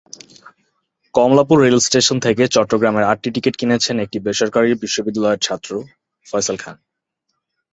Kamalapur rail station থেকে চট্টগ্রামের আটটি টিকিট কিনেছেন একটি বেসরকারি বিশ্ববিদ্যালয়ের ছাত্র ফয়সাল খান।